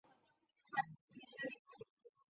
雷兽是奇蹄目下一科已灭绝的哺乳动物。